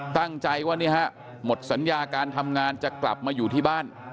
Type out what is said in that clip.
ตั้งใจว่านี่ฮะหมดสัญญาการทำงานจะกลับมาอยู่ที่บ้าน